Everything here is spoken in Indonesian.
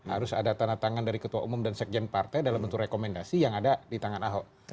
harus ada tanda tangan dari ketua umum dan sekjen partai dalam bentuk rekomendasi yang ada di tangan ahok